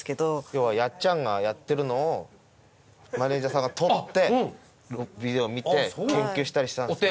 要はやっちゃんがやってるのをマネジャーさんが撮ってビデオ見て研究したりしたんです。